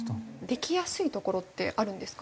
できやすい所ってあるんですか？